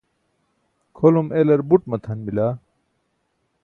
kʰolum elar but matʰan bila